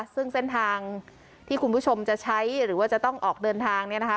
ซึ่งเส้นทางที่คุณผู้ชมจะใช้หรือว่าจะต้องออกเดินทางเนี่ยนะคะ